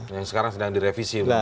yang sekarang sedang direvisi